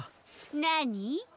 なに？